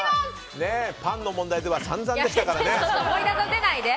パンの問題では散々でしたからね。